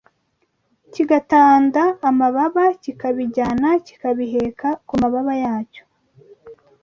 kigatanda amababa kikabijyana kikabiheka ku mababa yacyo